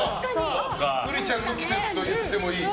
栗ちゃんの季節といってもいい。